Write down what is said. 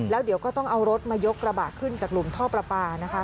แล้วเดี๋ยวก็ต้องเอารถมายกระบะขึ้นจากหลุมท่อประปานะคะ